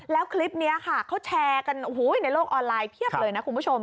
แล้วคลิปนี้ค่ะเขาแชร์กันในโลกออนไลน์เพียบเลยนะคุณผู้ชม